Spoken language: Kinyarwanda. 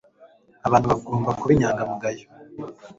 Abantu bagomba kuba inyangamugayo